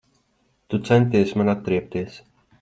Tu centies man atriebties.